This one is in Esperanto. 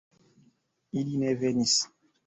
Ili ne venis